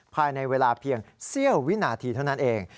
ภายในเวลาเพียงเสี้ยววินาทีเท่านั้นเอง